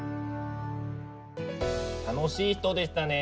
楽しい人でしたね。